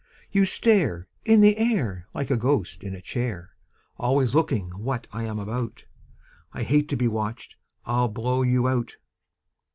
You stare In the air Like a ghost in a chair, Always looking what I am about; I hate to be watched I'll blow you out."